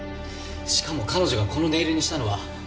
しかも彼女がこのネイルにしたのは。